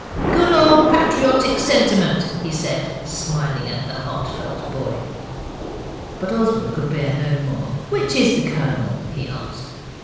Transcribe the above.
'Good old patriotic sentiment' he said, smiling at the heart felt boy. But Oswald could bear no more. 'Which is the Colonel?' he asked.